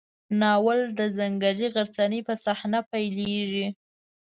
ناول د ځنګلي غرڅنۍ په صحنه پیلېږي.